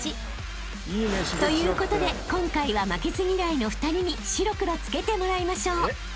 ということで今回は負けず嫌いの２人に白黒つけてもらいましょう］